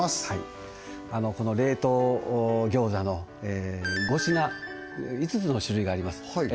はいこの冷凍餃子の５品５つの種類があります